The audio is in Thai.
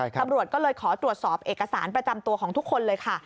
ตำรวจก็เลยขอตรวจสอบเอกสารประจำตัวของทุกคนเลยค่ะ